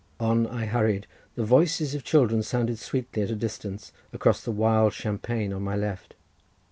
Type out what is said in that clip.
On I hurried. The voices of children sounded sweetly at a distance across the wild champaign on my left.